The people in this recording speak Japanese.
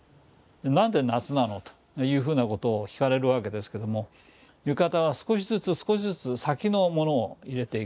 何で夏なの？というふうなことを聞かれるわけですけども浴衣は少しずつ少しずつ先のものを入れていく。